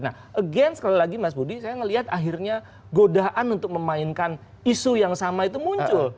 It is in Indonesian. nah again sekali lagi mas budi saya melihat akhirnya godaan untuk memainkan isu yang sama itu muncul